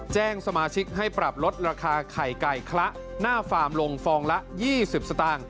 แจ้งสมาชิกให้ปรับลดราคาไข่ไก่คละหน้าฟาร์มลงฟองละ๒๐สตางค์